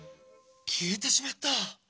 きえてしまった。